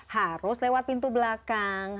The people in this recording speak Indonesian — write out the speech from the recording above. harus lewat pintu belakang